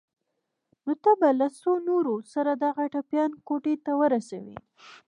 نو ته به له څو نورو سره دغه ټپيان کوټې ته ورسوې.